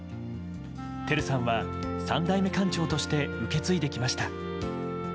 照さんは、３代目館長として受け継いできました。